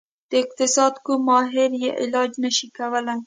د اقتصاد کوم ماهر یې علاج نشي کولی.